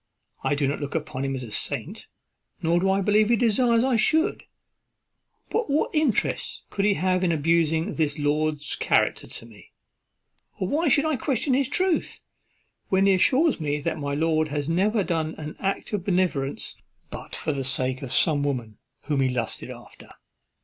I do not look upon him as a saint, nor do I believe he desires I should; but what interest could he have in abusing this lord's character to me? or why should I question his truth, when he assured me that my lord had never done an act of beneficence in his life but for the sake of some woman whom he lusted after?"